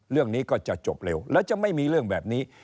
เรื่องนี้ก็จะจบเร็วแล้วจะไม่มีเรื่องแบบนี้